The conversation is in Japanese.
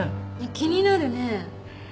気になるね。